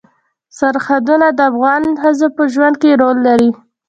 سرحدونه د افغان ښځو په ژوند کې رول لري.